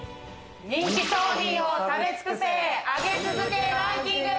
人気商品を食べ尽くせ。